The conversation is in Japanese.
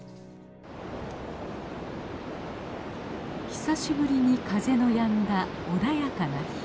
久しぶりに風のやんだ穏やかな日。